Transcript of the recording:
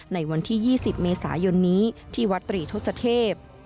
ในวันที่๒๐เมษายนนี้ที่วัดตรีทศเทพ